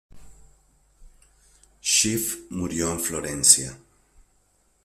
Schiff murió en Florencia.